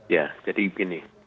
ya jadi begini